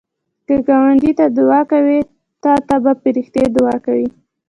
که ګاونډي ته دعا کوې، تا ته به فرښتې دعا کوي